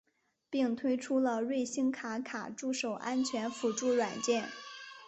并推出了瑞星卡卡助手安全辅助软件。